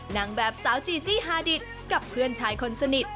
นางแบบสาวจีจี้ฮาดิตกับเพื่อนชายคนสนิท